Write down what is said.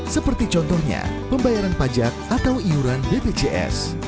seperti contohnya pembayaran pajak atau iuran bpjs